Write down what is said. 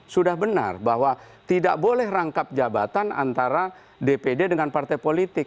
sudah benar bahwa tidak boleh rangkap jabatan antara pemerintah dan pemerintah